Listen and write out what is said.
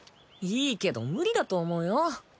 いいけど無理だと思うよ。